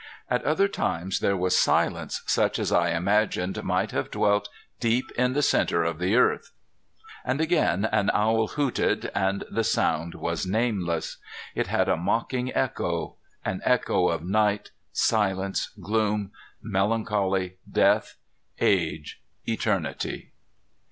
At other times there was silence such as I imagined might have dwelt deep in the center of the earth. And again an owl hooted, and the sound was nameless. It had a mocking echo. An echo of night, silence, gloom, melancholy, death, age, eternity!